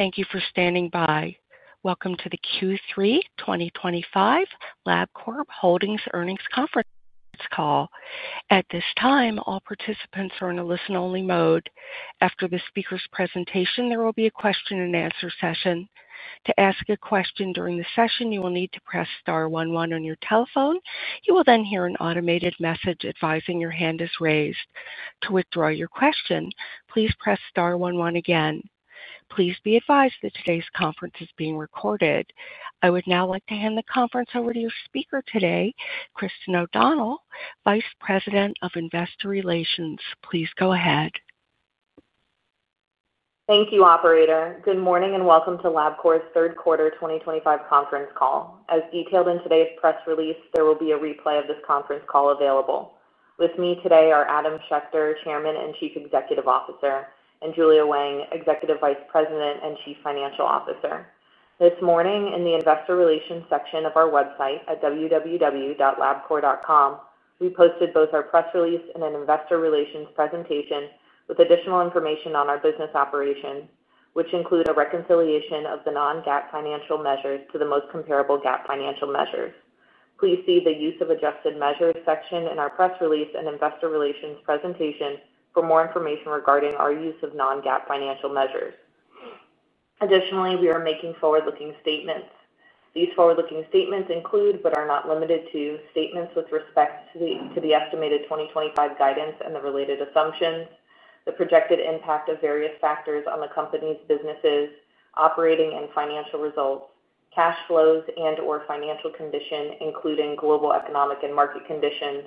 Thank you for standing by. Welcome to the Q3 2025 Labcorp Holdings earnings conference call. At this time, all participants are in a listen-only mode. After the speaker's presentation, there will be a question and answer session. To ask a question during the session, you will need to press star one one one on your telephone. You will then hear an automated message advising your hand is raised. To withdraw your question, please press star one one again. Please be advised that today's conference is being recorded. I would now like to hand the conference over to your speaker today, Christin O'Donnell, Vice President of Investor Relations. Please go ahead. Thank you, Operator. Good morning and welcome to Labcorp's third quarter 2025 conference call. As detailed in today's press release, there will be a replay of this conference call available. With me today are Adam Schechter, Chairman and Chief Executive Officer, and Julia Wang, Executive Vice President and Chief Financial Officer. This morning, in the Investor Relations section of our website at www.labcorp.com, we posted both our press release and an Investor Relations presentation with additional information on our business operations, which include a reconciliation of the non-GAAP financial measures to the most comparable GAAP financial measures. Please see the Use of Adjusted Measures section in our press release and Investor Relations presentation for more information regarding our use of non-GAAP financial measures. Additionally, we are making forward-looking statements. These forward-looking statements include, but are not limited to, statements with respect to the estimated 2025 guidance and the related assumptions, the projected impact of various factors on the company's businesses, operating and financial results, cash flows and/or financial condition, including global economic and market conditions,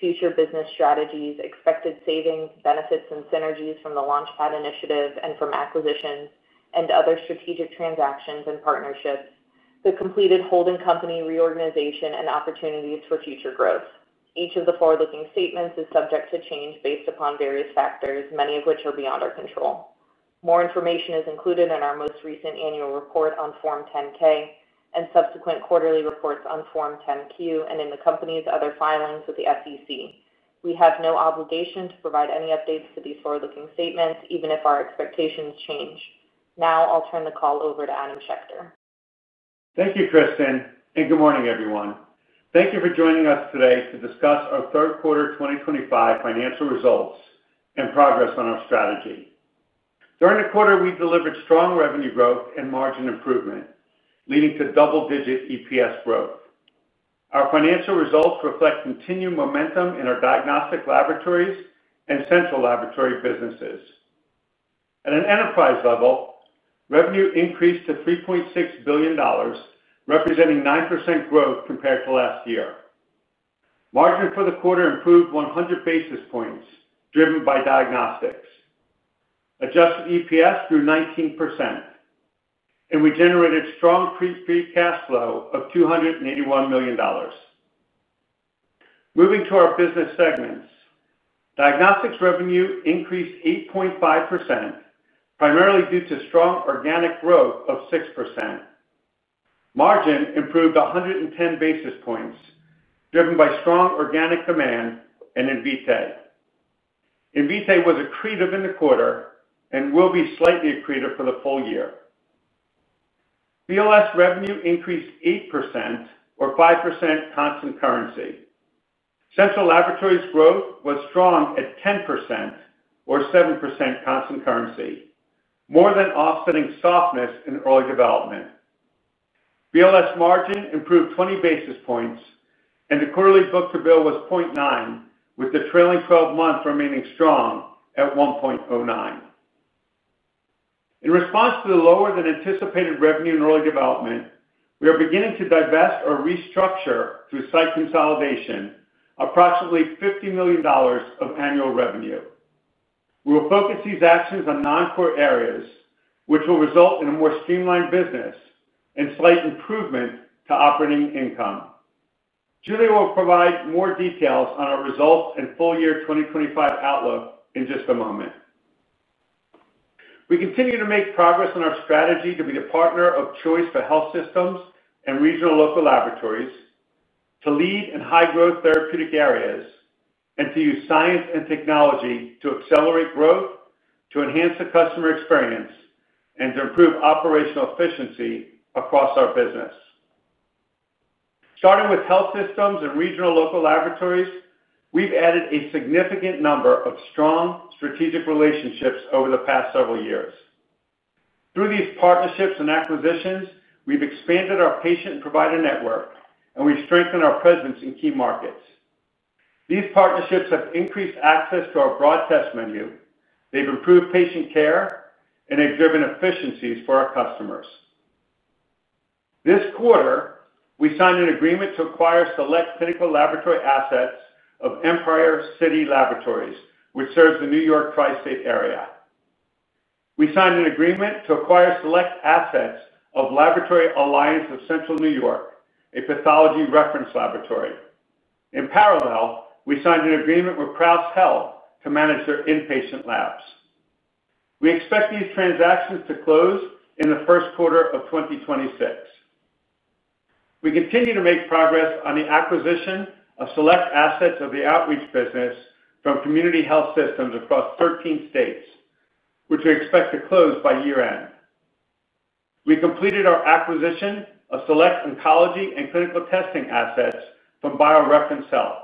future business strategies, expected savings, benefits, and synergies from the Launchpad Initiative and from acquisitions, and other strategic transactions and partnerships, the completed holding company reorganization, and opportunities for future growth. Each of the forward-looking statements is subject to change based upon various factors, many of which are beyond our control. More information is included in our most recent annual report on Form 10-K and subsequent quarterly reports on Form 10-Q and in the company's other filings with the SEC. We have no obligation to provide any updates to these forward-looking statements, even if our expectations change. Now, I'll turn the call over to Adam Schechter. Thank you, Christin, and good morning, everyone. Thank you for joining us today to discuss our third quarter 2025 financial results and progress on our strategy. During the quarter, we delivered strong revenue growth and margin improvement, leading to double-digit EPS growth. Our financial results reflect continued momentum in our diagnostic laboratories and central laboratory businesses. At an enterprise level, revenue increased to $3.6 billion, representing 9% growth compared to last year. Margin for the quarter improved 100 basis points, driven by diagnostics. Adjusted EPS grew 19%, and we generated strong pre-free cash flow of $281 million. Moving to our business segments, diagnostics revenue increased 8.5%, primarily due to strong organic growth of 6%. Margin improved 110 basis points, driven by strong organic demand and Invitae. Invitae was accretive in the quarter and will be slightly accretive for the full year. BLS revenue increased 8%, or 5% constant currency. Central laboratories growth was strong at 10%, or 7% constant currency, more than offsetting softness in early development. BLS margin improved 20 basis points, and the quarterly book-to-bill was 0.9, with the trailing 12 months remaining strong at 1.09. In response to the lower than anticipated revenue in early development, we are beginning to divest or restructure through site consolidation, approximately $50 million of annual revenue. We will focus these actions on non-core areas, which will result in a more streamlined business and slight improvement to operating income. Julia will provide more details on our results and full-year 2025 outlook in just a moment. We continue to make progress on our strategy to be the partner of choice for health systems and regional local laboratories, to lead in high-growth therapeutic areas, and to use science and technology to accelerate growth, to enhance the customer experience, and to improve operational efficiency across our business. Starting with health systems and regional local laboratories, we've added a significant number of strong strategic relationships over the past several years. Through these partnerships and acquisitions, we've expanded our patient and provider network, and we've strengthened our presence in key markets. These partnerships have increased access to our broad test menu, they've improved patient care, and exhibit efficiencies for our customers. This quarter, we signed an agreement to acquire select clinical laboratory assets of Empire City Laboratories, which serves the New York tri-state area. We signed an agreement to acquire select assets of Laboratory Alliance of Central New York, a pathology reference laboratory. In parallel, we signed an agreement with Kraus Health to manage their inpatient labs. We expect these transactions to close in the first quarter of 2026. We continue to make progress on the acquisition of select assets of the outreach business from Community Health Systems across 13 states, which we expect to close by year-end. We completed our acquisition of select oncology and clinical testing assets from BioReference Health.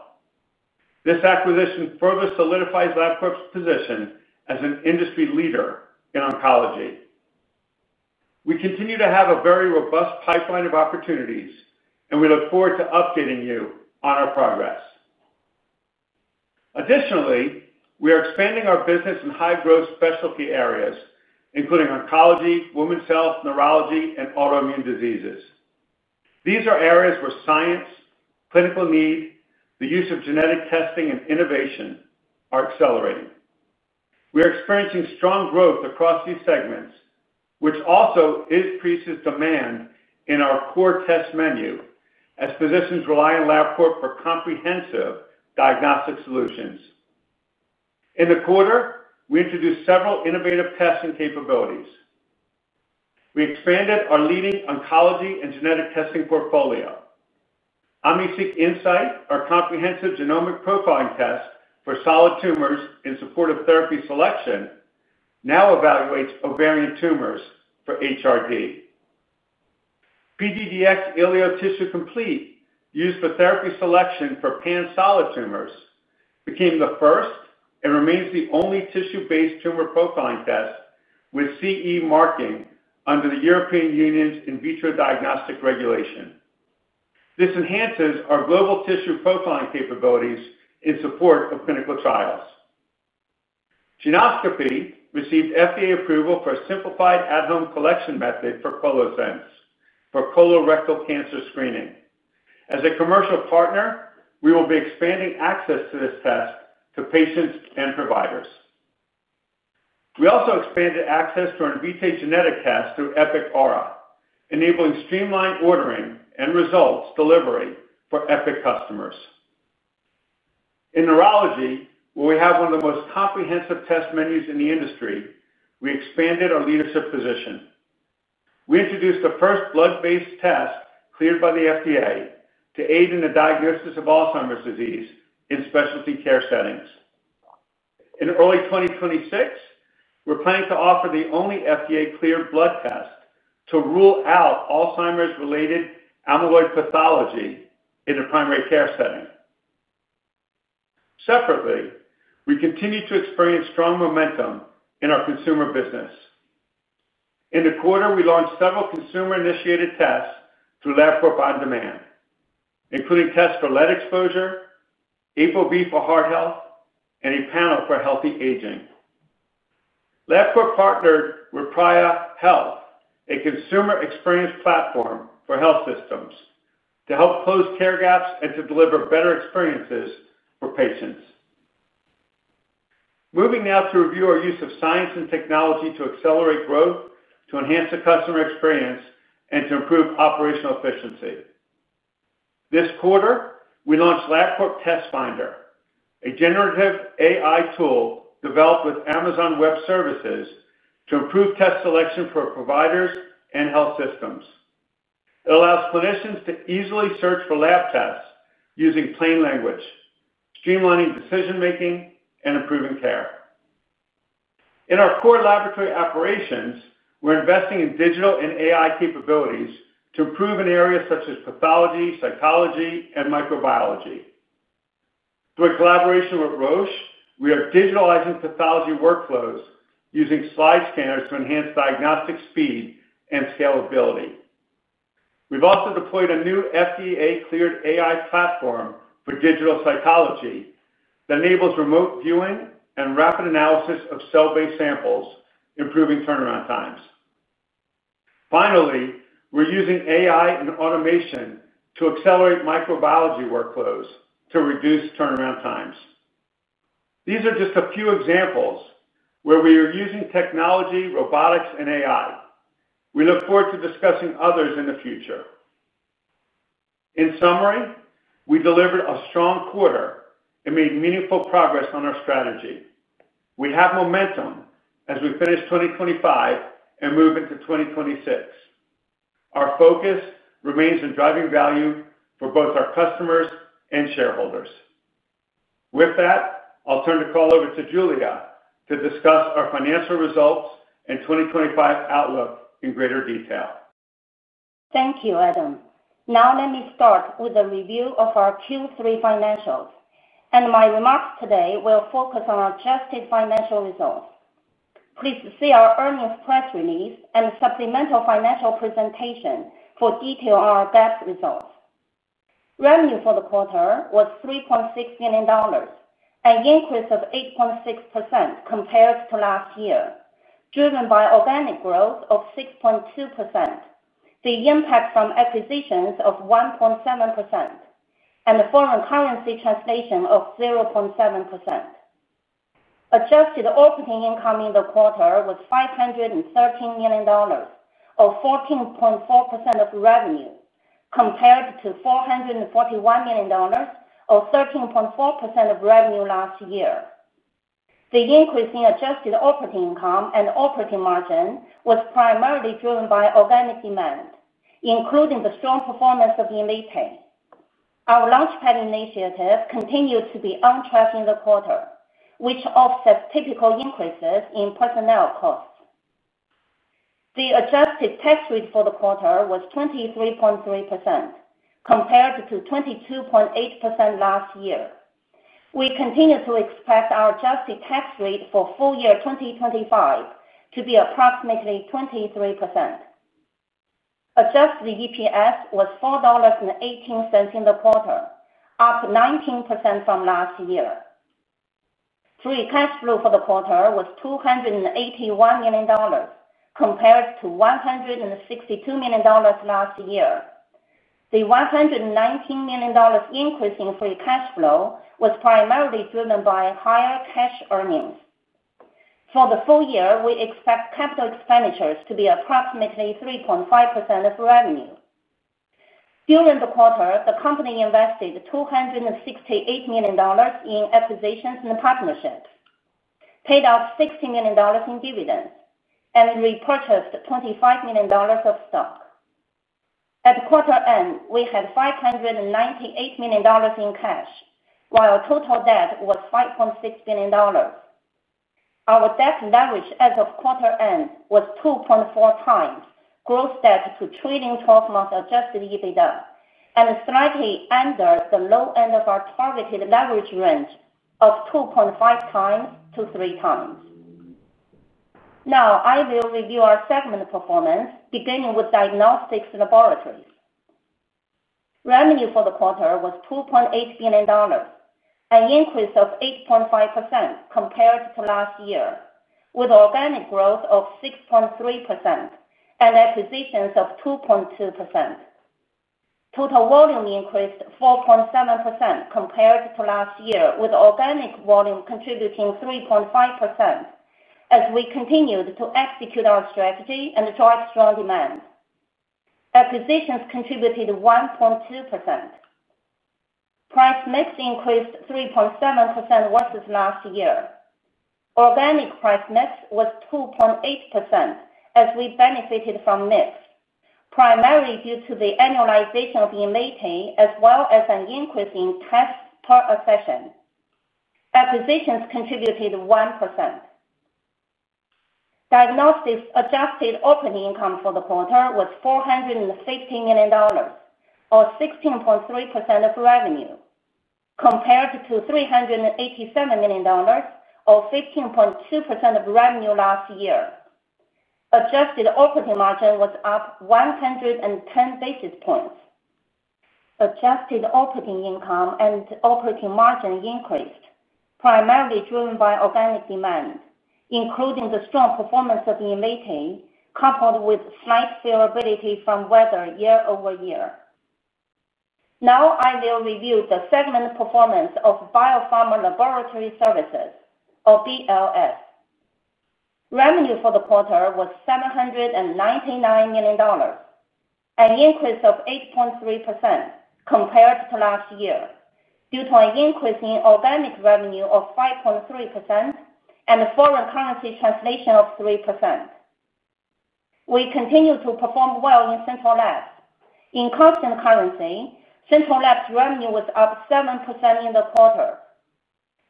This acquisition further solidifies Labcorp's position as an industry leader in oncology. We continue to have a very robust pipeline of opportunities, and we look forward to updating you on our progress. Additionally, we are expanding our business in high-growth specialty areas, including oncology, women's health, neurology, and autoimmune diseases. These are areas where science, clinical need, the use of genetic testing, and innovation are accelerating. We are experiencing strong growth across these segments, which also increases demand in our core test menu as physicians rely on Labcorp for comprehensive diagnostic solutions. In the quarter, we introduced several innovative testing capabilities. We expanded our leading oncology and genetic testing portfolio. OmniSeq INSIGHT, our comprehensive genomic profiling test for solid tumors in support of therapy selection, now evaluates ovarian tumors for HRD. PGDx elio tissue complete, used for therapy selection for pan-solid tumors, became the first and remains the only tissue-based tumor profiling test with CE marking under the European Union's in vitro diagnostic regulation. This enhances our global tissue profiling capabilities in support of clinical trials. Genoscopy received FDA approval for a simplified at-home collection method for ColoSense, for colorectal cancer screening. As a commercial partner, we will be expanding access to this test to patients and providers. We also expanded access to our Invitae genetic test through Epic Aura, enabling streamlined ordering and results delivery for Epic customers. In neurology, where we have one of the most comprehensive test menus in the industry, we expanded our leadership position. We introduced the first blood-based test cleared by the FDA to aid in the diagnosis of Alzheimer's disease in specialty care settings. In early 2026, we're planning to offer the only FDA-cleared blood test to rule out Alzheimer's-related amyloid pathology in a primary care setting. Separately, we continue to experience strong momentum in our consumer business. In the quarter, we launched several consumer-initiated tests through Labcorp OnDemand, including tests for lead exposure, ApoB for heart health, and a Panel for healthy aging. Labcorp partnered with Praia Health, a consumer experience platform for health systems, to help close care gaps and to deliver better experiences for patients. Moving now to review our use of science and technology to accelerate growth, to enhance the customer experience, and to improve operational efficiency. This quarter, we launched Labcorp Test Finder, a generative AI tool developed with Amazon Web Services to improve test selection for providers and health systems. It allows clinicians to easily search for lab tests using plain language, streamlining decision-making, and improving care. In our core laboratory operations, we're investing in digital and AI capabilities to improve in areas such as pathology, psychology, and microbiology. Through a collaboration with Roche, we are digitalizing pathology workflows using slide scanners to enhance diagnostic speed and scalability. We've also deployed a new FDA-cleared AI platform for digital psychology that enables remote viewing and rapid analysis of cell-based samples, improving turnaround times. Finally, we're using AI and automation to accelerate microbiology workflows to reduce turnaround times. These are just a few examples where we are using technology, robotics, and AI. We look forward to discussing others in the future. In summary, we delivered a strong quarter and made meaningful progress on our strategy. We have momentum as we finish 2025 and move into 2026. Our focus remains on driving value for both our customers and shareholders. With that, I'll turn the call over to Julia to discuss our financial results and 2025 outlook in greater detail. Thank you, Adam. Now let me start with a review of our Q3 financials, and my remarks today will focus on our adjusted financial results. Please see our earnings press release and supplemental financial presentation for details on our GAAP results. Revenue for the quarter was $3.6 billion, an increase of 8.6% compared to last year, driven by organic growth of 6.2%, the impact from acquisitions of 1.7%, and the foreign currency translation of 0.7%. Adjusted operating income in the quarter was $513 million, or 14.4% of revenue, compared to $441 million, or 13.4% of revenue last year. The increase in adjusted operating income and operating margin was primarily driven by organic demand, including the strong performance of Invitae. Our Launchpad Initiative continued to be on track in the quarter, which offsets typical increases in personnel costs. The adjusted tax rate for the quarter was 23.3%, compared to 22.8% last year. We continue to expect our adjusted tax rate for full year 2025 to be approximately 23%. Adjusted EPS was $4.18 in the quarter, up 19% from last year. Free cash flow for the quarter was $281 million, compared to $162 million last year. The $119 million increase in free cash flow was primarily driven by higher cash earnings. For the full year, we expect capital expenditures to be approximately 3.5% of revenue. During the quarter, the company invested $268 million in acquisitions and partnerships, paid out $60 million in dividends, and repurchased $25 million of stock. At quarter end, we had $598 million in cash, while total debt was $5.6 billion. Our debt leverage as of quarter end was 2.4x gross debt to trailing 12-month adjusted EBITDA, and slightly under the low end of our targeted leverage range of 2.5x to 3x. Now, I will review our segment performance, beginning with diagnostics laboratories. Revenue for the quarter was $2.8 billion, an increase of 8.5% compared to last year, with organic growth of 6.3% and acquisitions of 2.2%. Total volume increased 4.7% compared to last year, with organic volume contributing 3.5% as we continued to execute our strategy and drive strong demand. Acquisitions contributed 1.2%. Price mix increased 3.7% versus last year. Organic price mix was 2.8% as we benefited from mix, primarily due to the annualization of Invitae, as well as an increase in tests per session. Acquisitions contributed 1%. Diagnostics adjusted operating income for the quarter was $450 million, or 16.3% of revenue, compared to $387 million, or 15.2% of revenue last year. Adjusted operating margin was up 110 basis points. Adjusted operating income and operating margin increased, primarily driven by organic demand, including the strong performance of Invitae, coupled with slight variability from weather year-over-year. Now, I will review the segment performance of Biopharma Laboratory Services, or BLS. Revenue for the quarter was $799 million, an increase of 8.3% compared to last year, due to an increase in organic revenue of 5.3% and a foreign currency translation of 3%. We continue to perform well in central laboratories. In constant currency, central laboratories' revenue was up 7% in the quarter.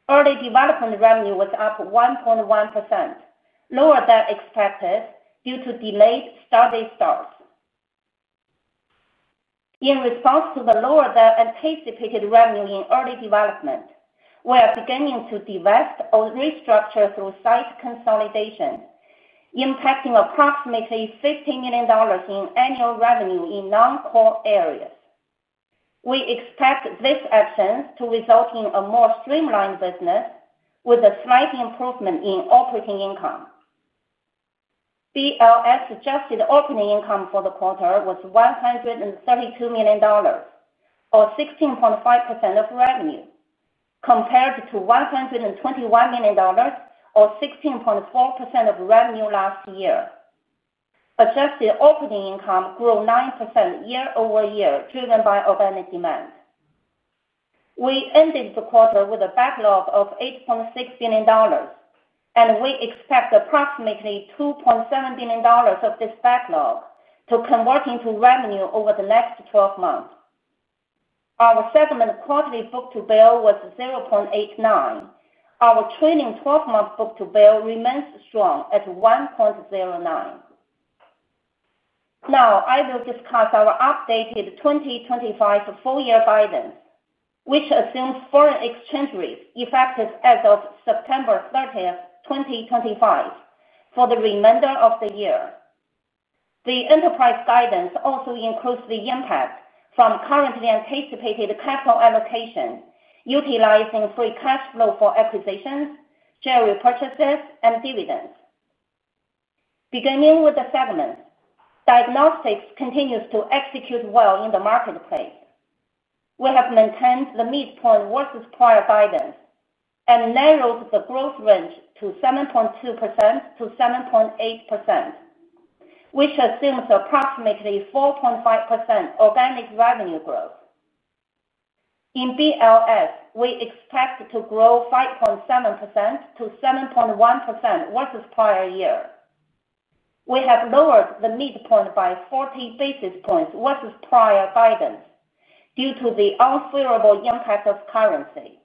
Early development revenue was up 1.1%, lower than expected due to delayed study starts. In response to the lower than anticipated revenue in early development, we are beginning to divest or restructure through site consolidation, impacting approximately $50 million in annual revenue in non-core areas. We expect this action to result in a more streamlined business with a slight improvement in operating income. BLS adjusted operating income for the quarter was $132 million, or 16.5% of revenue, compared to $121 million, or 16.4% of revenue last year. Adjusted operating income grew 9% year-over-year, driven by organic demand. We ended the quarter with a backlog of $8.6 billion, and we expect approximately $2.7 billion of this backlog to convert into revenue over the next 12 months. Our segment quarterly book-to-bill was 0.89. Our trailing 12-month book-to-bill remains strong at 1.09. Now, I will discuss our updated 2025 full-year guidance, which assumes foreign exchange rates effective as of September 30th, 2025, for the remainder of the year. The enterprise guidance also includes the impact from currently anticipated capital allocation, utilizing free cash flow for acquisitions, share repurchases, and dividends. Beginning with the segments, diagnostics continues to execute well in the marketplace. We have maintained the midpoint versus prior guidance and narrowed the growth range to 7.2%-7.8%, which assumes approximately 4.5% organic revenue growth. In BLS, we expect to grow 5.7% to 7.1% versus prior year. We have lowered the midpoint by 40 basis points versus prior guidance due to the unfavorable impact of currency.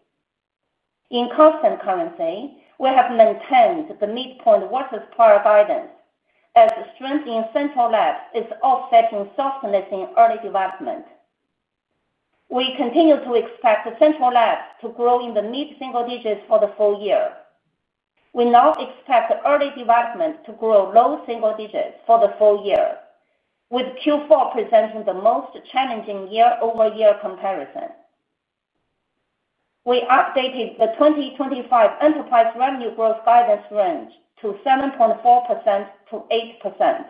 In constant currency, we have maintained the midpoint versus prior guidance as strength in central laboratories is offsetting softness in early development. We continue to expect central laboratories to grow in the mid-single digits for the full year. We now expect early development to grow low single digits for the full year, with Q4 presenting the most challenging year-over-year comparison. We updated the 2025 enterprise revenue growth guidance range to 7.4% to 8%.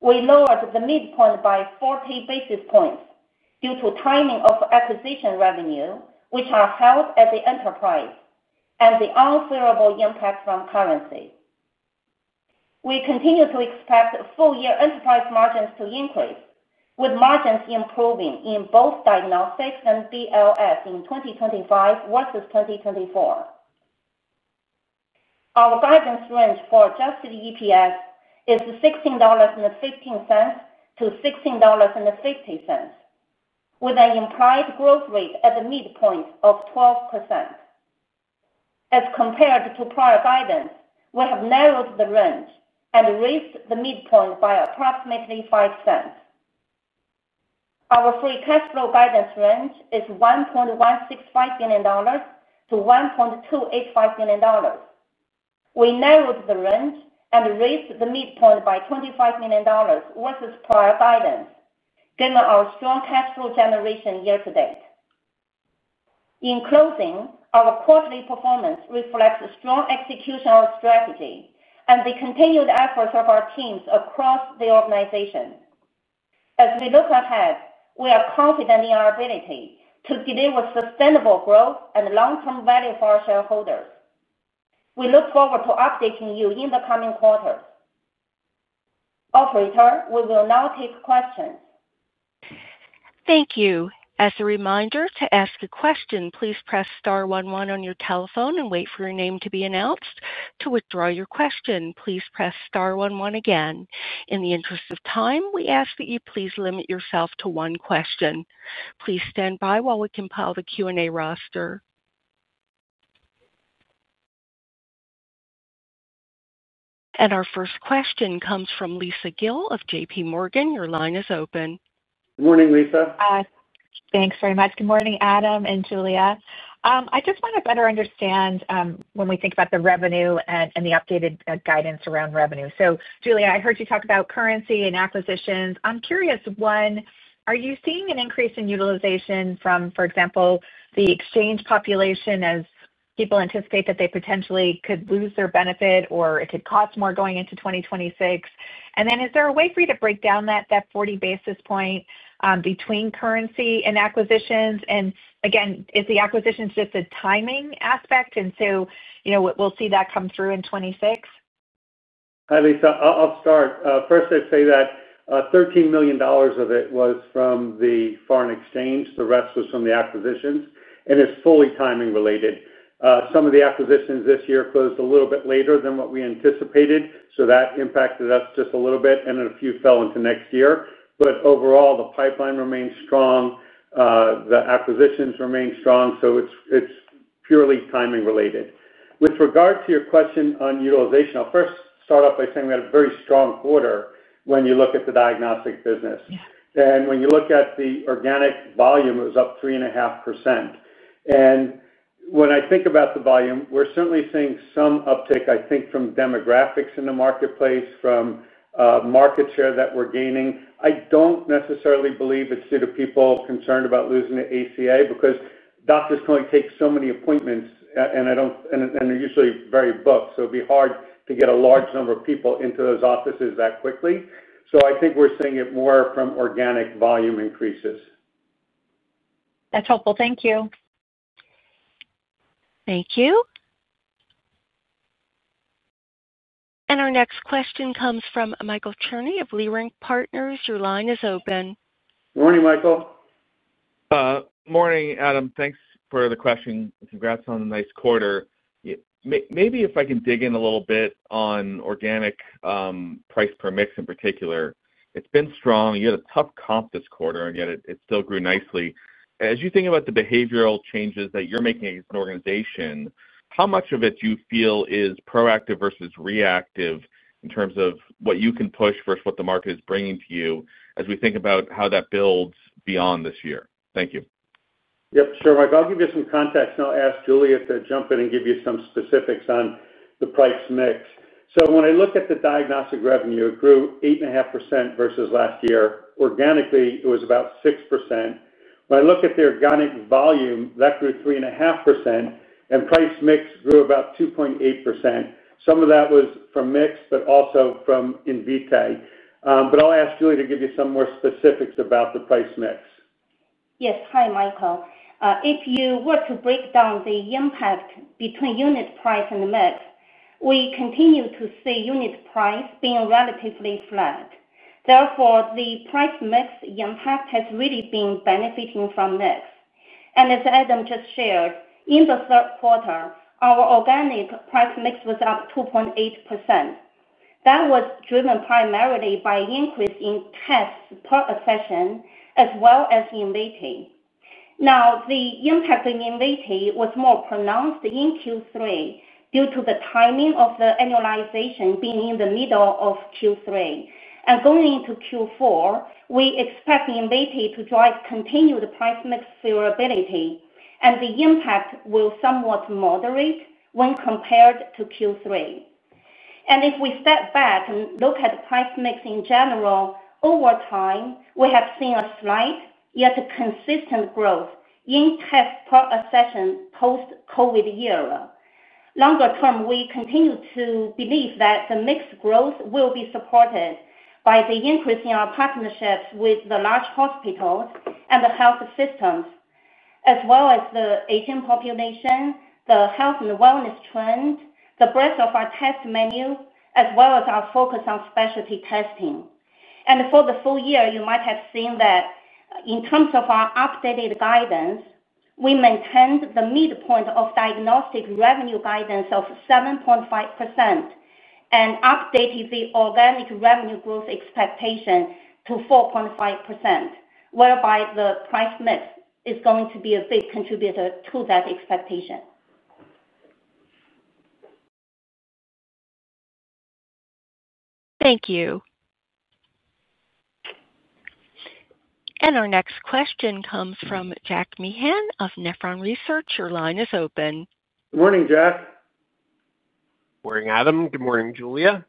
We lowered the midpoint by 40 basis points due to timing of acquisition revenue, which are held as the enterprise, and the unfavorable impact from currency. We continue to expect full-year enterprise margins to increase, with margins improving in both diagnostics and BLS in 2025 versus 2024. Our guidance range for adjusted EPS is $16.15-$16.50, with an implied growth rate at the midpoint of 12%. As compared to prior guidance, we have narrowed the range and raised the midpoint by approximately $0.05. Our free cash flow guidance range is $1.165 million-$1.285 million. We narrowed the range and raised the midpoint by $25 million versus prior guidance, given our strong cash flow generation year-to-date. In closing, our quarterly performance reflects a strong execution of our strategy and the continued efforts of our teams across the organization. As we look ahead, we are confident in our ability to deliver sustainable growth and long-term value for our shareholders. We look forward to updating you in the coming quarters. Operator, we will now take questions. Thank you. As a reminder, to ask a question, please press star one one on your telephone and wait for your name to be announced. To withdraw your question, please press star one one again. In the interest of time, we ask that you please limit yourself to one question. Please stand by while we compile the Q&A roster. Our first question comes from Lisa Gill of JPMorgan. Your line is open. Morning, Lisa. Thanks very much. Good morning, Adam and Julia. I just want to better understand when we think about the revenue and the updated guidance around revenue. Julia, I heard you talk about currency and acquisitions. I'm curious, one, are you seeing an increase in utilization from, for example, the exchange population as people anticipate that they potentially could lose their benefit or it could cost more going into 2026? Is there a way for you to break down that 40 basis point between currency and acquisitions? Is the acquisitions just a timing aspect and you know we'll see that come through in 2026? Hi, Lisa. I'll start. First, I'd say that $13 million of it was from the foreign exchange. The rest was from the acquisitions, and it's fully timing related. Some of the acquisitions this year closed a little bit later than what we anticipated, so that impacted us just a little bit, and then a few fell into next year. Overall, the pipeline remains strong. The acquisitions remain strong, so it's purely timing related. With regard to your question on utilization, I'll first start off by saying we had a very strong quarter when you look at the diagnostic business. Yes. When you look at the organic volume, it was up 3.5%. When I think about the volume, we're certainly seeing some uptake, I think, from demographics in the marketplace, from market share that we're gaining. I don't necessarily believe it's due to people concerned about losing the ACA because doctors can only take so many appointments, and they're usually very booked, so it'd be hard to get a large number of people into those offices that quickly. I think we're seeing it more from organic volume increases. That's helpful. Thank you. Thank you. Our next question comes from Michael Cherney of Leerink Partners. Your line is open. Morning, Michael. Morning, Adam. Thanks for the question. Congrats on a nice quarter. Maybe if I can dig in a little bit on organic price per mix in particular. It's been strong. You had a tough comp this quarter, and yet it still grew nicely. As you think about the behavioral changes that you're making as an organization, how much of it do you feel is proactive versus reactive in terms of what you can push versus what the market is bringing to you as we think about how that builds beyond this year? Thank you. Yep. Sure, Michael. I'll give you some context, and I'll ask Julia to jump in and give you some specifics on the price mix. When I look at the diagnostics revenue, it grew 8.5% versus last year. Organically, it was about 6%. When I look at the organic volume, that grew 3.5%, and price mix grew about 2.8%. Some of that was from mix but also from Invitae. I'll ask Julia to give you some more specifics about the price mix. Yes. Hi, Michael. If you were to break down the impact between unit price and the mix, we continue to see unit price being relatively flat. Therefore, the price mix impact has really been benefiting from mix. As Adam just shared, in the third quarter, our organic price mix was up 2.8%. That was driven primarily by an increase in tests per session, as well as Invitae. The impact in Invitae was more pronounced in Q3 due to the timing of the annualization being in the middle of Q3. Going into Q4, we expect Invitae to drive continued price mix favorability, and the impact will somewhat moderate when compared to Q3. If we step back and look at the price mix in general, over time, we have seen a slight yet consistent growth in tests per session post-COVID year. Longer term, we continue to believe that the mix growth will be supported by the increase in our partnerships with the large hospitals and the health systems, as well as the aging population, the health and wellness trend, the breadth of our test menu, as well as our focus on specialty testing. For the full year, you might have seen that in terms of our updated guidance, we maintained the midpoint of diagnostic revenue guidance of 7.5% and updated the organic revenue growth expectation to 4.5%, whereby the price mix is going to be a big contributor to that expectation. Thank you. Our next question comes from Jack Meehan of Nephron Research. Your line is open. Morning, Jack. Morning, Adam. Good morning, Julia.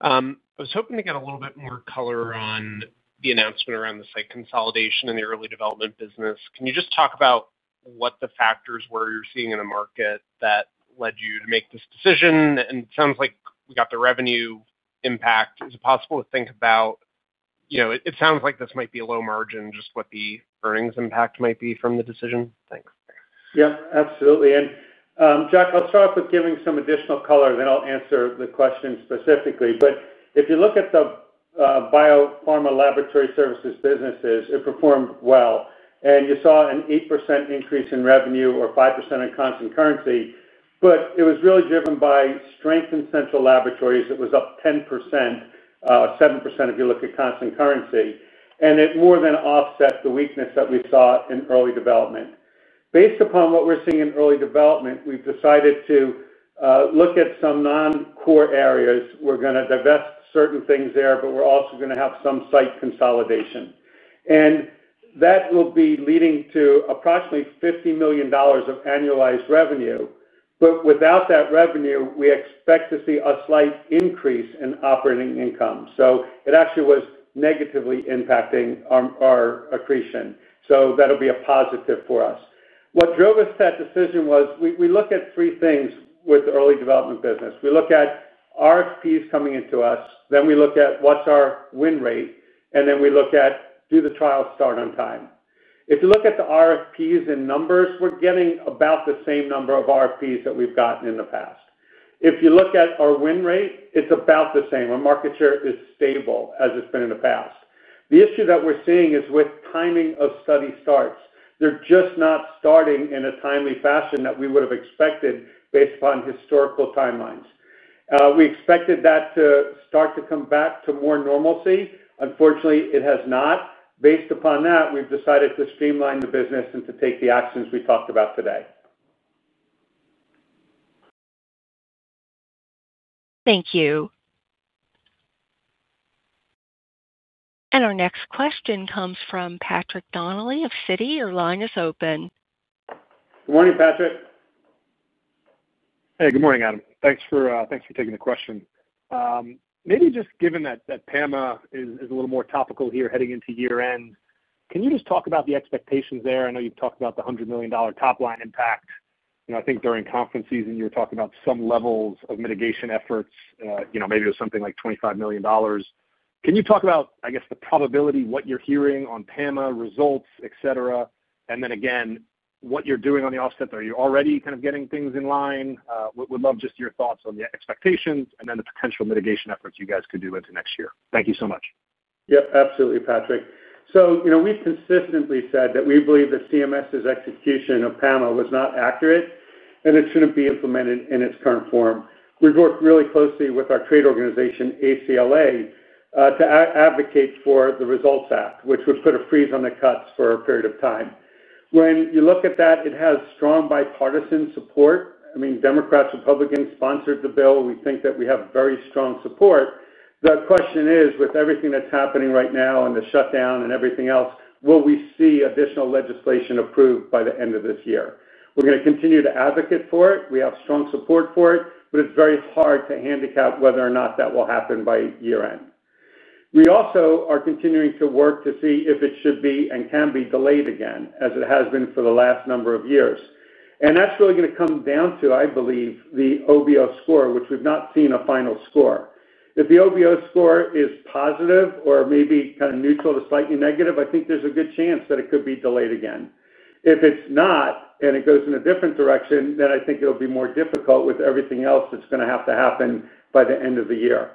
I was hoping to get a little bit more color on the announcement around the site consolidation in the early development business. Can you just talk about what the factors were you're seeing in the market that led you to make this decision? It sounds like we got the revenue impact. Is it possible to think about, you know, it sounds like this might be a low margin, just what the earnings impact might be from the decision? Thanks. Absolutely. Jack, I'll start off with giving some additional color, and then I'll answer the question specifically. If you look at the biopharma laboratory services businesses, it performed well. You saw an 8% increase in revenue or 5% in constant currency, but it was really driven by strength in central laboratories that was up 10% or 7% if you look at constant currency. It more than offset the weakness that we saw in early development. Based upon what we're seeing in early development, we've decided to look at some non-core areas. We're going to divest certain things there, and we're also going to have some site consolidation. That will be leading to approximately $50 million of annualized revenue. Without that revenue, we expect to see a slight increase in operating income. It actually was negatively impacting our accretion, so that'll be a positive for us. What drove us to that decision was we look at three things with the early development business. We look at RFPs coming into us, then we look at what's our win rate, and then we look at do the trials start on time. If you look at the RFPs in numbers, we're getting about the same number of RFPs that we've gotten in the past. If you look at our win rate, it's about the same. Our market share is stable as it's been in the past. The issue that we're seeing is with timing of study starts. They're just not starting in a timely fashion that we would have expected based upon historical timelines. We expected that to start to come back to more normalcy. Unfortunately, it has not. Based upon that, we've decided to streamline the business and to take the actions we talked about today. Thank you. Our next question comes from Patrick Donnelly of Citi. Your line is open. Good morning, Patrick. Hey, good morning, Adam. Thanks for taking the question. Maybe just given that PAMA is a little more topical here heading into year-end, can you just talk about the expectations there? I know you've talked about the $100 million top-line impact. I think during conference season, you were talking about some levels of mitigation efforts. Maybe it was something like $25 million. Can you talk about, I guess, the probability, what you're hearing on PAMA results, etc.? Also, what you're doing on the offset? Are you already kind of getting things in line? We'd love just your thoughts on the expectations and then the potential mitigation efforts you guys could do into next year. Thank you so much. Absolutely, Patrick. We've consistently said that we believe that CMS's execution of PAMA was not accurate, and it shouldn't be implemented in its current form. We've worked really closely with our trade organization, ACLA, to advocate for the Results Act, which would put a freeze on the cuts for a period of time. When you look at that, it has strong bipartisan support. Democrats and Republicans sponsored the bill. We think that we have very strong support. The question is, with everything that's happening right now and the shutdown and everything else, will we see additional legislation approved by the end of this year? We're going to continue to advocate for it. We have strong support for it, but it's very hard to handicap whether or not that will happen by year-end. We also are continuing to work to see if it should be and can be delayed again, as it has been for the last number of years. That's really going to come down to, I believe, the OBO score, which we've not seen a final score. If the OBO score is positive or maybe kind of neutral to slightly negative, I think there's a good chance that it could be delayed again. If it's not and it goes in a different direction, then I think it'll be more difficult with everything else that's going to have to happen by the end of the year.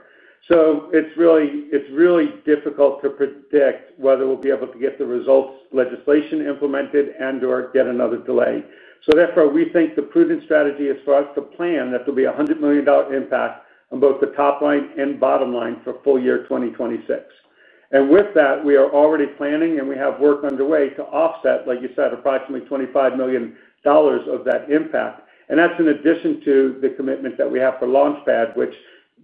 It's really difficult to predict whether we'll be able to get the results legislation implemented and/or get another delay. Therefore, we think the prudent strategy is for us to plan that there'll be a $100 million impact on both the top line and bottom line for full year 2026. With that, we are already planning and we have work underway to offset, like you said, approximately $25 million of that impact. That's in addition to the commitment that we have for Launchpad,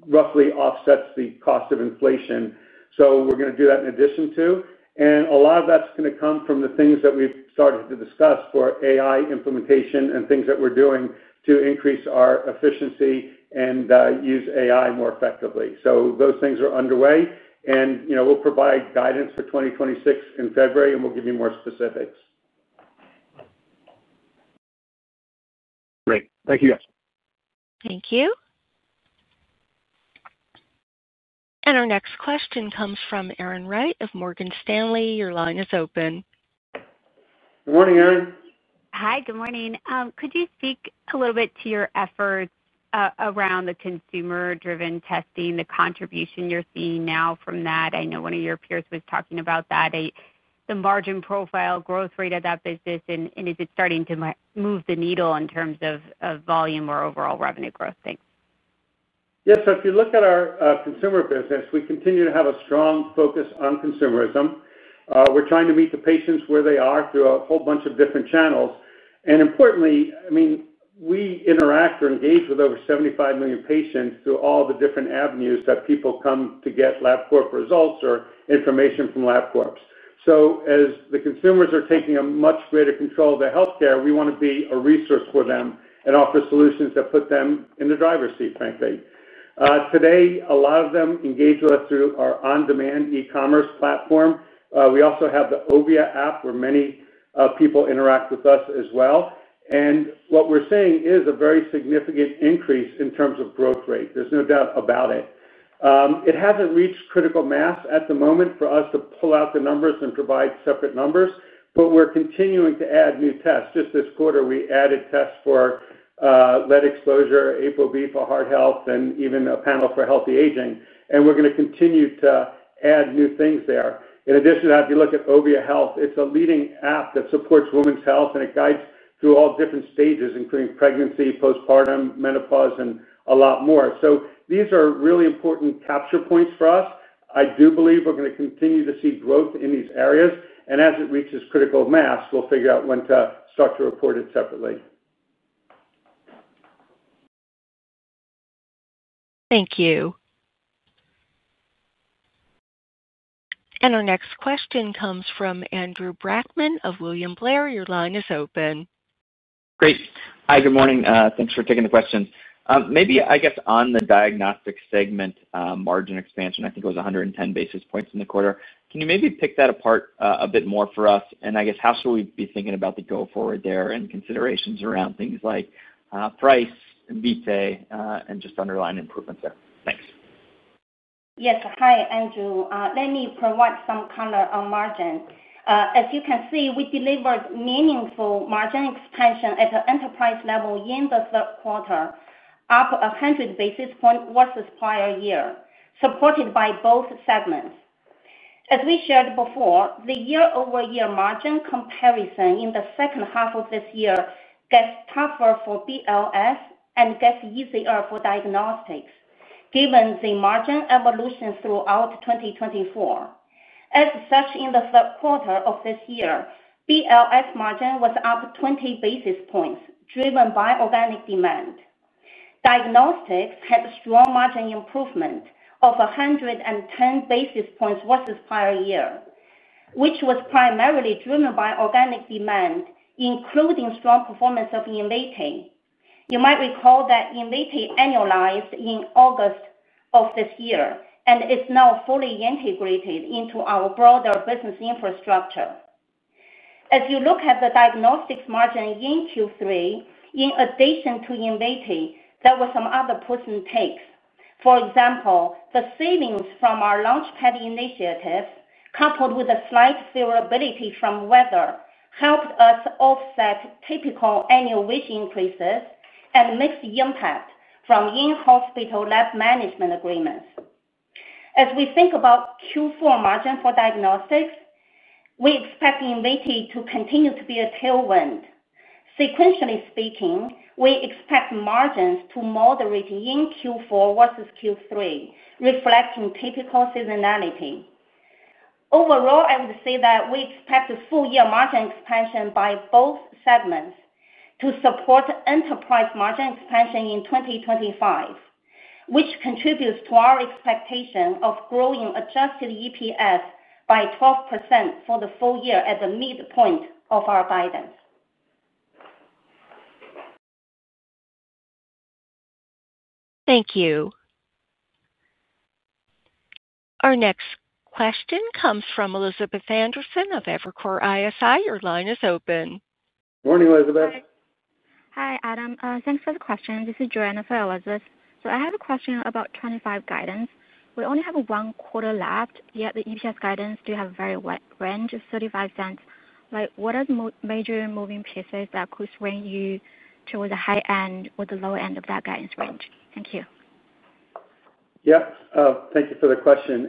which roughly offsets the cost of inflation. We're going to do that in addition to. A lot of that's going to come from the things that we've started to discuss for AI implementation and things that we're doing to increase our efficiency and use AI more effectively. Those things are underway, and we'll provide guidance for 2026 in February, and we'll give you more specifics. Great. Thank you, guys. Thank you. Our next question comes from Aaron Wright of Morgan Stanley. Your line is open. Morning, Aaron. Hi. Good morning. Could you speak a little bit to your efforts around the consumer-driven testing, the contribution you're seeing now from that? I know one of your peers was talking about that, the margin profile growth rate of that business, and is it starting to move the needle in terms of volume or overall revenue growth? Thanks. Yep. If you look at our consumer business, we continue to have a strong focus on consumerism. We're trying to meet the patients where they are through a whole bunch of different channels. Importantly, we interact or engage with over 75 million patients through all the different avenues that people come to get Labcorp results or information from Labcorp. As the consumers are taking a much greater control of their healthcare, we want to be a resource for them and offer solutions that put them in the driver's seat, frankly. Today, a lot of them engage with us through our on-demand e-commerce platform. We also have the Ovia app where many people interact with us as well. We're seeing a very significant increase in terms of growth rate. There's no doubt about it. It hasn't reached critical mass at the moment for us to pull out the numbers and provide separate numbers, but we're continuing to add new tests. Just this quarter, we added tests for lead exposure, ApoB for heart health, and even a Panel for healthy aging. We're going to continue to add new things there. In addition to that, if you look at Ovia Health, it's a leading app that supports women's health, and it guides through all different stages, including pregnancy, postpartum, menopause, and a lot more. These are really important capture points for us. I do believe we're going to continue to see growth in these areas. As it reaches critical mass, we'll figure out when to start to report it separately. Thank you. Our next question comes from Andrew Brackman of William Blair. Your line is open. Great. Hi. Good morning. Thanks for taking the question. Maybe, I guess, on the diagnostic segment margin expansion, I think it was 110 basis points in the quarter. Can you maybe pick that apart a bit more for us? I guess, how should we be thinking about the go-forward there and considerations around things like price, Invitae, and just underlying improvements there? Thanks. Yes. Hi, Andrew. Let me provide some color on margin. As you can see, we delivered meaningful margin expansion at the enterprise level in the third quarter, up 100 basis points versus prior year, supported by both segments. As we shared before, the year-over-year margin comparison in the second half of this year gets tougher for BLS and gets easier for diagnostics, given the margin evolution throughout 2024. In the third quarter of this year, BLS margin was up 20 basis points, driven by organic demand. Diagnostics had a strong margin improvement of 110 basis points versus prior year, which was primarily driven by organic demand, including strong performance of Invitae. You might recall that Invitae annualized in August of this year, and it's now fully integrated into our broader business infrastructure. As you look at the diagnostics margin in Q3, in addition to Invitae, there were some other push and takes. For example, the savings from our Launchpad Initiative, coupled with a slight favorability from weather, helped us offset typical annual wage increases and mixed impact from in-hospital lab management agreements. As we think about Q4 margin for diagnostics, we expect Invitae to continue to be a tailwind. Sequentially speaking, we expect margins to moderate in Q4 versus Q3, reflecting typical seasonality. Overall, I would say that we expect a full-year margin expansion by both segments to support enterprise margin expansion in 2025, which contributes to our expectation of growing adjusted EPS by 12% for the full year at the midpoint of our guidance. Thank you. Our next question comes from Elizabeth Anderson of Evercore ISI. Your line is open. Morning, Elizabeth. Hi, Adam. Thanks for the question. This is Joanna for Elizabeth. I have a question about 2025 guidance. We only have one quarter left, yet the EPS guidance does have a very wide range of $0.35. What are the major moving pieces that could bring you towards the high end or the low end of that guidance range? Thank you. Thank you for the question.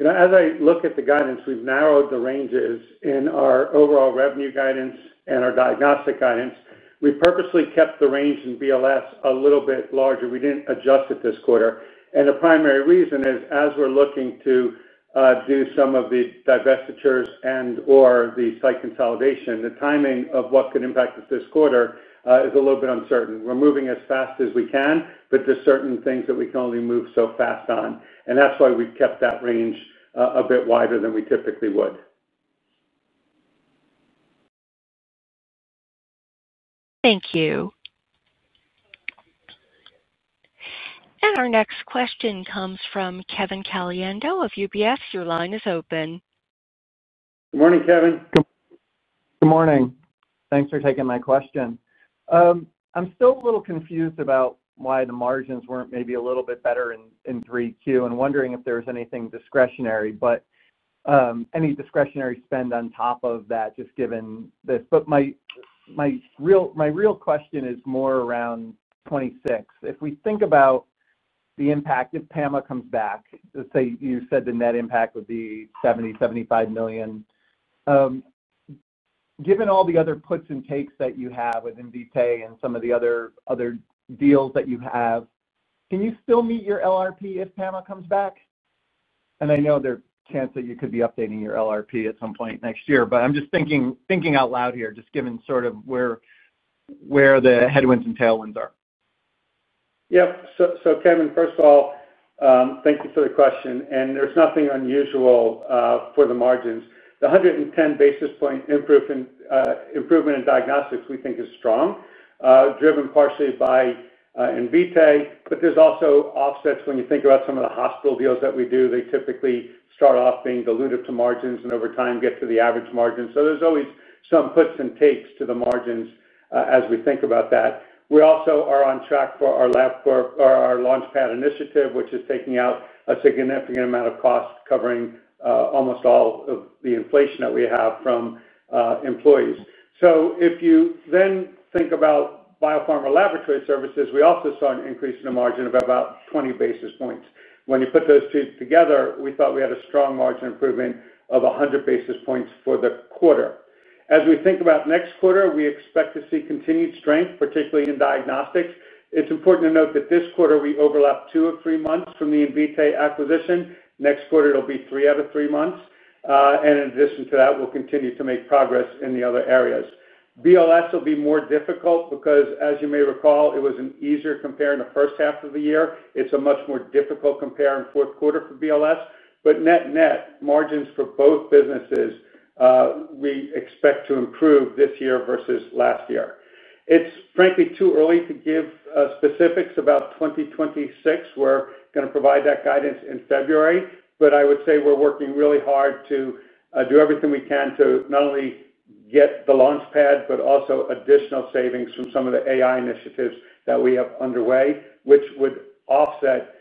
As I look at the guidance, we've narrowed the ranges in our overall revenue guidance and our diagnostic guidance. We purposely kept the range in BLS a little bit larger. We didn't adjust it this quarter. The primary reason is, as we're looking to do some of the divestitures and/or the site consolidation, the timing of what could impact us this quarter is a little bit uncertain. We're moving as fast as we can, but there are certain things that we can only move so fast on. That's why we've kept that range a bit wider than we typically would. Thank you. Our next question comes from Kevin Caliendo of UBS. Your line is open. Good morning, Kevin. Good morning. Thanks for taking my question. I'm still a little confused about why the margins weren't maybe a little bit better in 3Q. I'm wondering if there was anything discretionary, any discretionary spend on top of that, just given this. My real question is more around 2026. If we think about the impact if PAMA comes back, let's say you said the net impact would be $70 million, $75 million. Given all the other puts and takes that you have with Invitae and some of the other deals that you have, can you still meet your LRP if PAMA comes back? I know there are chances that you could be updating your LRP at some point next year, but I'm just thinking out loud here, just given sort of where the headwinds and tailwinds are. Yep. Kevin, first of all, thank you for the question. There's nothing unusual for the margins. The 110 basis point improvement in diagnostics we think is strong, driven partially by Invitae, but there's also offsets when you think about some of the hospital deals that we do. They typically start off being dilutive to margins and over time get to the average margins. There's always some puts and takes to the margins as we think about that. We also are on track for our Labcorp or our Launchpad Initiative, which is taking out a significant amount of cost, covering almost all of the inflation that we have from employees. If you then think about biopharma laboratory services, we also saw an increase in the margin of about 20 basis points. When you put those two together, we thought we had a strong margin improvement of 100 basis points for the quarter. As we think about next quarter, we expect to see continued strength, particularly in diagnostics. It's important to note that this quarter we overlapped two of three months from the Invitae acquisition. Next quarter, it'll be three out of three months. In addition to that, we'll continue to make progress in the other areas. BLS will be more difficult because, as you may recall, it was an easier compare in the first half of the year. It's a much more difficult compare in fourth quarter for BLS. Net-net, margins for both businesses, we expect to improve this year versus last year. It's frankly too early to give specifics about 2026. We're going to provide that guidance in February, but I would say we're working really hard to do everything we can to not only get the Launchpad, but also additional savings from some of the AI initiatives that we have underway, which would offset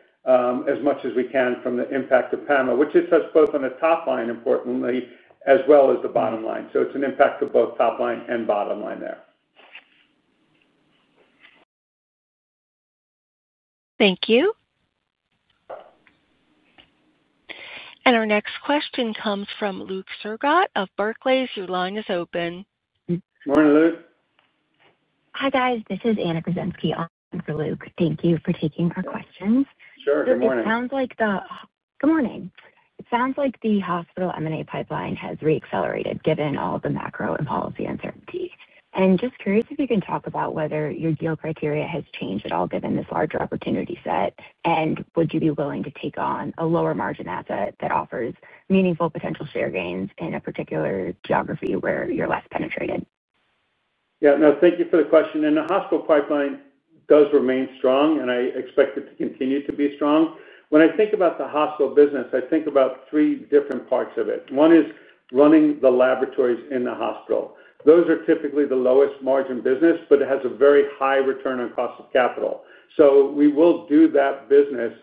as much as we can from the impact of PAMA, which hits us both on the top line, importantly, as well as the bottom line. It's an impact to both top line and bottom line there. Thank you. Our next question comes from Luke Surgot of Berkeley. Your line is open. Morning, Luke? Hi, guys. This is Anna Kozinski on for Luke. Thank you for taking our questions. Sure, good morning. It sounds like the hospital M&A pipeline has reaccelerated, given all the macro and policy uncertainty. I'm just curious if you can talk about whether your deal criteria has changed at all, given this larger opportunity set. Would you be willing to take on a lower margin asset that offers meaningful potential share gains in a particular geography where you're less penetrated? Thank you for the question. The hospital pipeline does remain strong, and I expect it to continue to be strong. When I think about the hospital business, I think about three different parts of it. One is running the laboratories in the hospital. Those are typically the lowest margin business, but it has a very high return on cost of capital. We will do that business,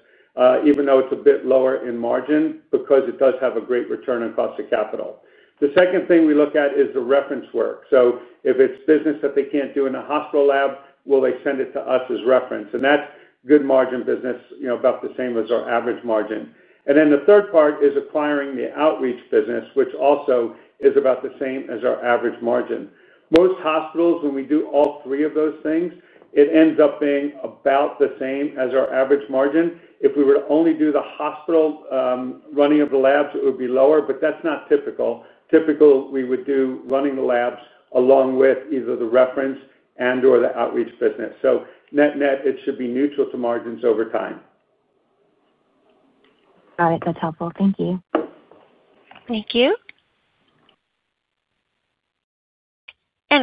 even though it's a bit lower in margin, because it does have a great return on cost of capital. The second thing we look at is the reference work. If it's business that they can't do in a hospital lab, will they send it to us as reference? That's good margin business, about the same as our average margin. The third part is acquiring the outreach business, which also is about the same as our average margin. Most hospitals, when we do all three of those things, it ends up being about the same as our average margin. If we were to only do the hospital running of the labs, it would be lower, but that's not typical. Typically, we would do running the labs along with either the reference and/or the outreach business. Net-net, it should be neutral to margins over time. Got it. That's helpful. Thank you. Thank you.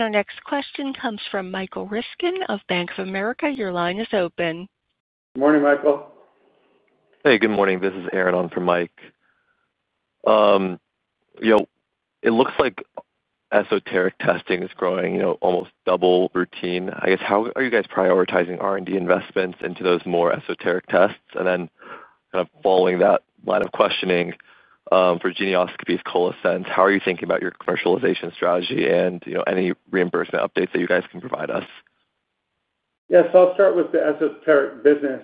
Our next question comes from Michael Riskin of Bank of America. Your line is open. Morning, Michael? Hey, good morning. This is Aaron on for Mike. It looks like esoteric testing is growing almost double routine. I guess, how are you guys prioritizing R&D investments into those more esoteric tests? Following that line of questioning, for genioscopies, ColoSense, how are you thinking about your commercialization strategy, and any reimbursement updates that you guys can provide us? Yes. I'll start with the esoteric business.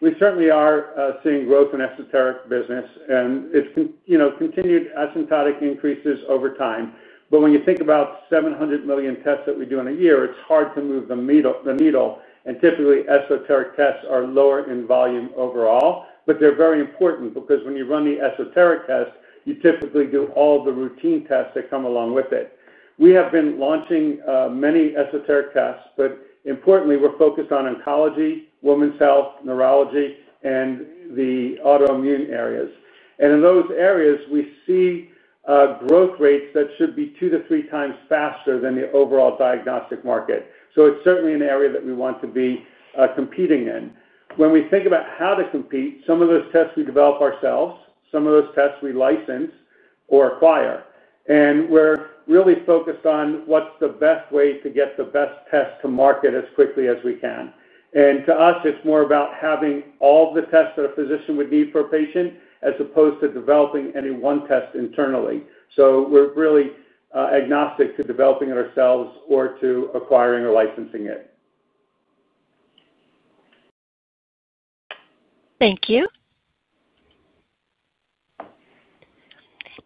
We certainly are seeing growth in esoteric business and it's, you know, continued asymptotic increases over time. When you think about 700 million tests that we do in a year, it's hard to move the needle. Typically, esoteric tests are lower in volume overall, but they're very important because when you run the esoteric test, you typically do all of the routine tests that come along with it. We have been launching many esoteric tests, but importantly, we're focused on oncology, women's health, neurology, and the autoimmune areas. In those areas, we see growth rates that should be 2x-3x faster than the overall diagnostic market. It's certainly an area that we want to be competing in. When we think about how to compete, some of those tests we develop ourselves, some of those tests we license or acquire. We're really focused on what's the best way to get the best test to market as quickly as we can. To us, it's more about having all of the tests that a physician would need for a patient, as opposed to developing any one test internally. We're really agnostic to developing it ourselves or to acquiring or licensing it. Thank you.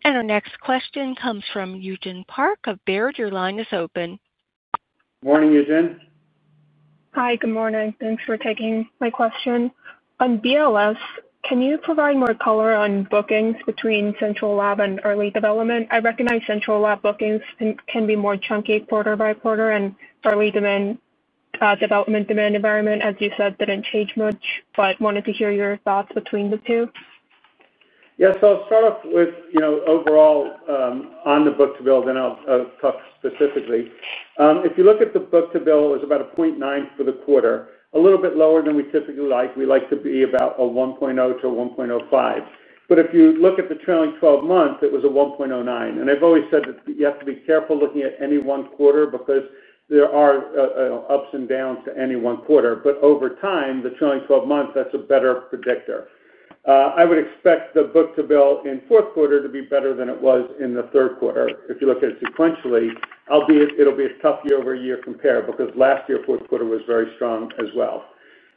Our next question comes from Eugene Park of Baird. Your line is open. Morning, Eugene. Hi. Good morning. Thanks for taking my question. On BLS, can you provide more color on bookings between central laboratories and early development? I recognize central laboratories bookings can be more chunky quarter by quarter, and early development demand environment, as you said, didn't change much, but wanted to hear your thoughts between the two. Yes. I'll start off with, you know, overall, on the book-to-bill, then I'll talk specifically. If you look at the book-to-bill, it was about 0.9 for the quarter, a little bit lower than we typically like. We like to be about a 1.0 to a 1.05. If you look at the trailing 12 months, it was a 1.09. I've always said that you have to be careful looking at any one quarter because there are ups and downs to any one quarter. Over time, the trailing 12 months, that's a better predictor. I would expect the book-to-bill in fourth quarter to be better than it was in the third quarter if you look at it sequentially, albeit it'll be a tough year-over-year compare because last year fourth quarter was very strong as well.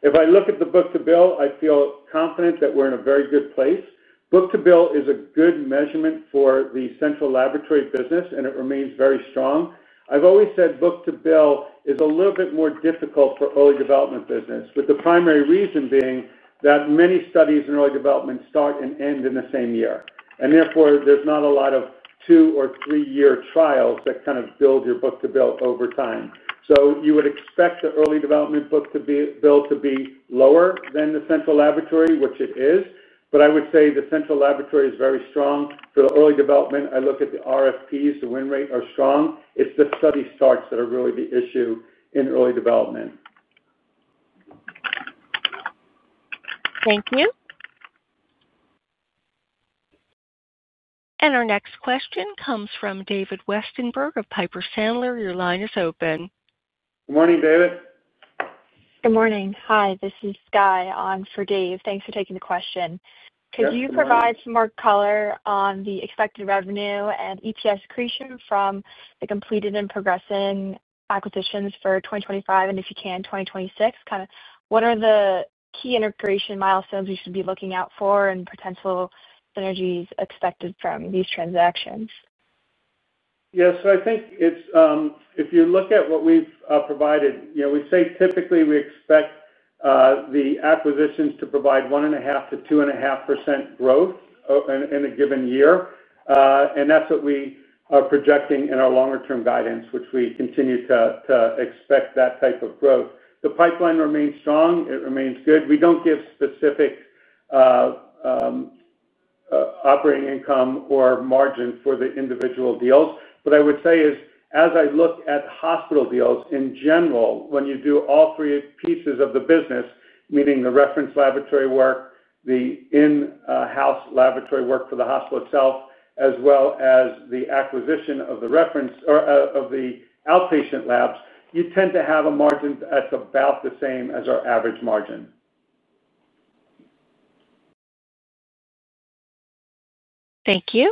If I look at the book-to-bill, I feel confident that we're in a very good place. Book-to-bill is a good measurement for the central laboratory business, and it remains very strong. I've always said book-to-bill is a little bit more difficult for early development business, with the primary reason being that many studies in early development start and end in the same year. Therefore, there's not a lot of two or three-year trials that kind of build your book-to-bill over time. You would expect the early development book-to-bill to be lower than the central laboratory, which it is. I would say the central laboratory is very strong for the early development. I look at the RFPs. The win rate are strong. It's the study starts that are really the issue in early development. Thank you. Our next question comes from David Westenberg of Piper Sandler. Your line is open. Good morning, David. Good morning. This is Skye on for Dave. Thanks for taking the question. Hi. Could you provide some more color on the expected revenue and EPS accretion from the completed and progressing acquisitions for 2025? If you can, 2026, kind of what are the key integration milestones we should be looking out for and potential synergies expected from these transactions? Yes. I think it's, if you look at what we've provided, you know, we say typically we expect the acquisitions to provide 1.5%-2.5% growth in a given year, and that's what we are projecting in our longer-term guidance, which we continue to expect that type of growth. The pipeline remains strong. It remains good. We don't give specific operating income or margin for the individual deals. What I would say is, as I look at hospital deals in general, when you do all three pieces of the business, meaning the reference laboratory work, the in-house laboratory work for the hospital itself, as well as the acquisition of the reference or of the outpatient labs, you tend to have a margin that's about the same as our average margin. Thank you.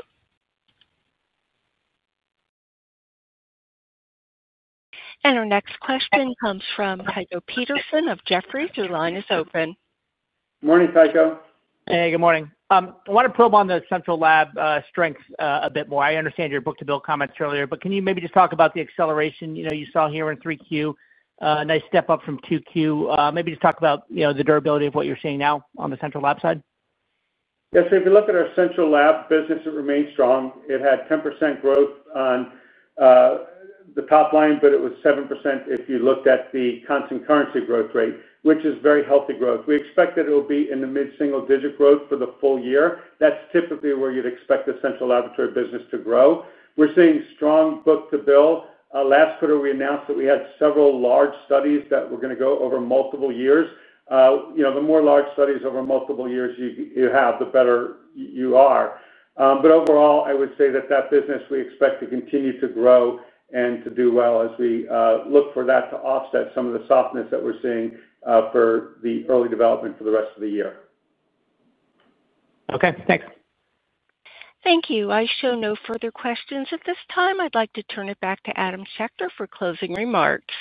Our next question comes from Tycho Peterson of Jefferies. Your line is open. Morning, Tycho. Hey, good morning. I want to probe on the central lab strength a bit more. I understand your book-to-bill comments earlier, but can you maybe just talk about the acceleration you saw here in 3Q? A nice step up from 2Q. Maybe just talk about the durability of what you're seeing now on the central lab side. Yes. If you look at our central lab business, it remains strong. It had 10% growth on the top line, but it was 7% if you looked at the constant currency growth rate, which is very healthy growth. We expect that it will be in the mid-single-digit growth for the full year. That's typically where you'd expect the central laboratory business to grow. We're seeing strong book-to-bill. Last quarter, we announced that we had several large studies that were going to go over multiple years. The more large studies over multiple years you have, the better you are. Overall, I would say that that business we expect to continue to grow and to do well as we look for that to offset some of the softness that we're seeing for the early development for the rest of the year. Okay. Thanks. Thank you. I show no further questions at this time. I'd like to turn it back to Adam Schechter for closing remarks.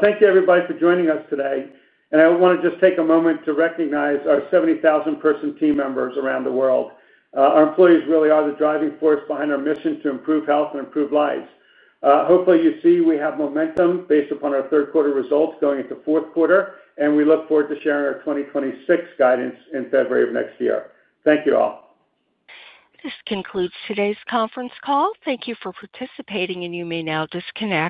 Thank you, everybody, for joining us today. I want to just take a moment to recognize our 70,000-person team members around the world. Our employees really are the driving force behind our mission to improve health and improve lives. Hopefully, you see we have momentum based upon our third quarter results going into fourth quarter, and we look forward to sharing our 2026 guidance in February of next year. Thank you all. This concludes today's conference call. Thank you for participating, and you may now disconnect.